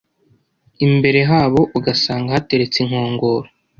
imbere habo ugasanga hateretse inkongoro